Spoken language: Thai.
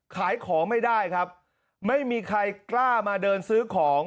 ขายของไม่ได้ครับไม่มีใครกล้ามาเดินซื้อของ